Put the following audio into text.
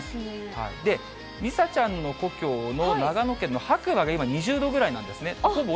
で、梨紗ちゃんの故郷の長野県の白馬が今、２０度ぐらいなんですね。